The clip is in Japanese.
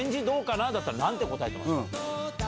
だったら何て答えてました？